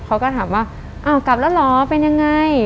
เขาก็ถามว่าอ้าวกลับแล้วเหรอเป็นยังไง